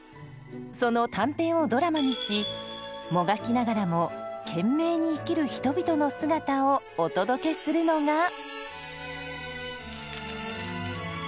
その短編をドラマにしもがきながらも懸命に生きる人々の姿をお届けするのが。